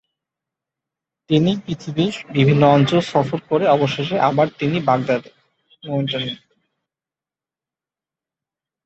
তিনি পৃথিবীর বিভিন্ন অঞ্চল সফর করে অবশেষে আবার তিনি বাগদাদে